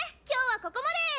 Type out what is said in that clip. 今日はここまで！